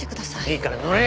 いいから乗れ！